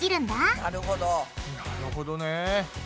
なるほどね。